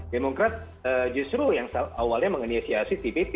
demokrat justru yang awalnya mengeniasi tpp